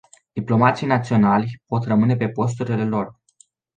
Diplomații naționali pot rămâne pe posturile lor.